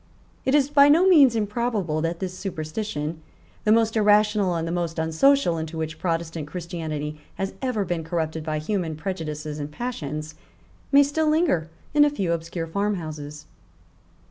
It is by no means improbable that this superstition, the most irrational and the most unsocial into which Protestant Christianity has ever been corrupted by human prejudices and passions, may still linger in a few obscure farmhouses.